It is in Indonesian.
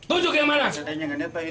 tujuk yang mana